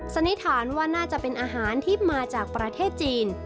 สันนิษฐานว่าน่าจะเป็นอาหารที่มาจากประเทศจีน